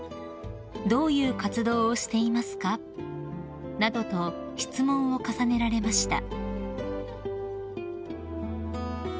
「どういう活動をしていますか？」などと質問を重ねられました］